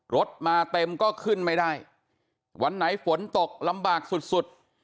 รถมาเต็มก็ขึ้นไม่ได้วันไหนฝนตกลำบากสุดสุด